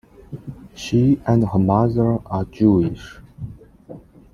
She and her mother are Jewish.